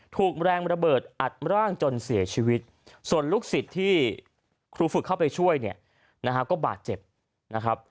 ถูกแรงระเบิดอัดร่างจนเสียชีวิตส่วนลูกศิษย์ที่ครูฝึกเข้าไปช่วยเนี่ยนะฮะก็บาดเจ็บนะครับ